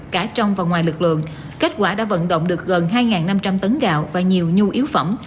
cả trong và ngoài lực lượng kết quả đã vận động được gần hai năm trăm linh tấn gạo và nhiều nhu yếu phẩm